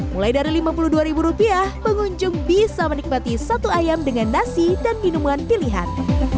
mulai dari lima puluh dua pengunjung bisa menikmati satu ayam dengan nasi dan minuman pilihan